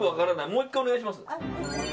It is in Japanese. もう１回、お願いします。